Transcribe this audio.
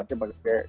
saya pakai kayu bakar